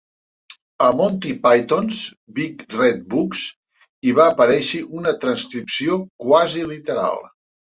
Al "Monty Python's Big Red Book" hi va aparèixer una transcripció quasi literal.